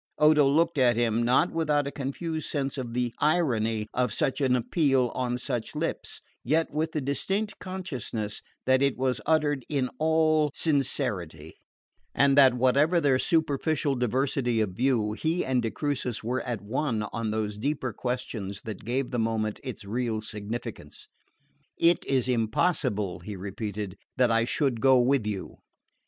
Odo looked at him, not without a confused sense of the irony of such an appeal on such lips, yet with the distinct consciousness that it was uttered in all sincerity, and that, whatever their superficial diversity of view, he and de Crucis were at one on those deeper questions that gave the moment its real significance. "It is impossible," he repeated, "that I should go with you."